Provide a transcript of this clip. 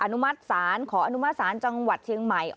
นุมัติศาลขออนุมัติศาลจังหวัดเชียงใหม่